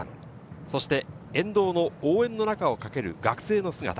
そして沿道の応援の中をかける学生の姿。